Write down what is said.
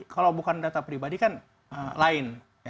kalau bukan data pribadi kan lain